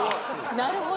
なるほど！